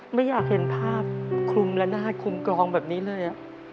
ไม่อยากเห็นภาพคลุมและนาดคลุมกรองแบบนี้เลย